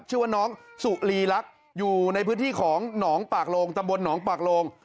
ชื่อว่าน้องสุรีรักษ์อยู่ในพื้นที่ของหนองปากโลงตะบนหนองปากโลง